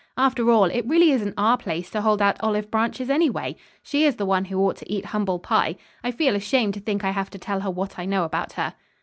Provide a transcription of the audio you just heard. After all, it really isn't our place to hold out olive branches anyway. She is the one who ought to eat humble pie. I feel ashamed to think I have to tell her what I know about her."